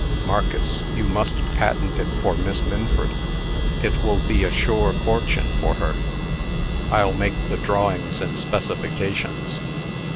Marcus, you must patent it for Miss Minford. It will be a sure fortune to her. I'll make the drawings and specifications."